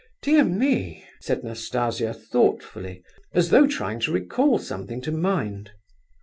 Dear me," said Nastasia, thoughtfully, as though trying to recall something to mind.